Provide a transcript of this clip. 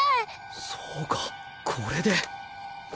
そうかこれで！